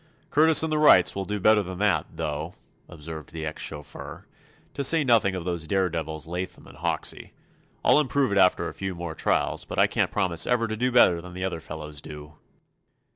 "Curtiss and the Wrights will do better than that, though," observed the ex chauffeur, "to say nothing of those daredevils Latham and Hoxsey. I'll improve after a few more trials, but I can't promise ever to do better than the other fellows do."